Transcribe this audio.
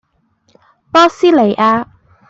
波斯尼亞